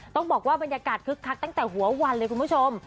ต้องบอกว่าบรรยากาศคึกคักตั้งแต่หัววันเลยคุณผู้ชม